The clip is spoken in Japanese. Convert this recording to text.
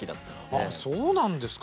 ああそうなんですか。